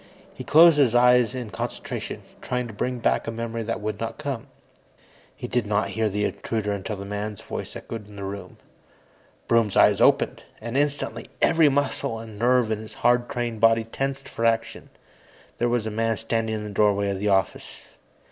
He closed his eyes in concentration, trying to bring back a memory that would not come. He did not hear the intruder until the man's voice echoed in the room. Broom's eyes opened, and instantly every muscle and nerve in his hard trained body tensed for action. There was a man standing in the doorway of the office.